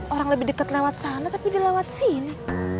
orang lebih deket lewat sana tapi dia lewat sini